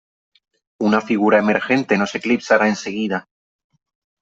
Una figura emergente nos eclipsará enseguida.